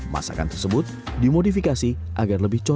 masakan tersebut dimodifikasi agar lebih cocok